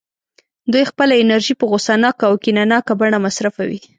دوی خپله انرژي په غوسه ناکه او کینه ناکه بڼه مصرفوي